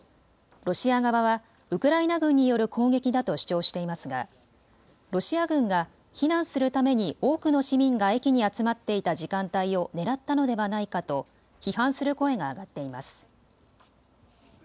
ロシア側はウクライナ軍による攻撃だと主張していますがロシア軍が避難するために多くの市民が駅に集まっていた時間帯を狙ったのではないかと批判する声が上がっています。